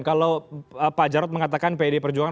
kalau pak jarod mengatakan pdi perjuangan